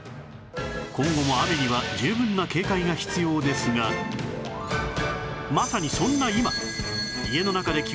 今後も雨には十分な警戒が必要ですがにも要注意